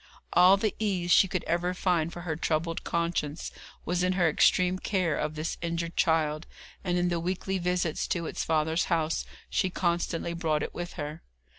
All the ease she could ever find for her troubled conscience was in her extreme care of this injured child, and in the weekly visits to its father's house she constantly brought it with her.